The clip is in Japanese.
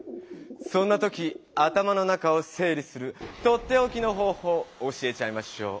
そんな時頭の中を整理するとっておきの方ほう教えちゃいましょう！